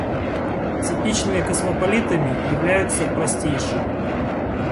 Типичными космополитами являются простейшие.